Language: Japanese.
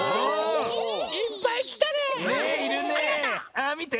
あみて。